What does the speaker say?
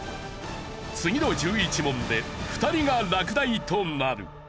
次の１１問で２人が落第となる。